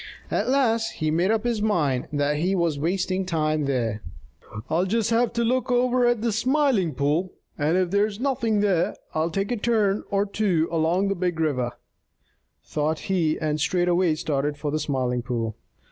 At last he made up his mind that he was wasting time there. "I'll just have a look over at the Smiling Pool, and if there is nothing there, I'll take a turn or two along the Big River," thought he and straightway started for the Smiling Pool.